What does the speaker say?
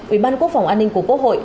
ủy ban quốc phòng an ninh của quốc hội